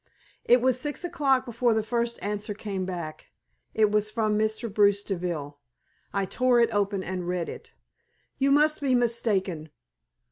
It was six o'clock before the first answer came back. It was from Mr. Bruce Deville. I tore it open and read it. "You must be mistaken.